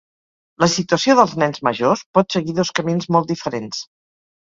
La situació dels nens majors pot seguir dos camins molt diferents.